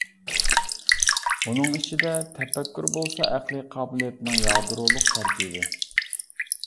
ئۇنىڭ ئىچىدە، تەپەككۇر بولسا ئەقلىي قابىلىيەتنىڭ يادرولۇق تەركىبى.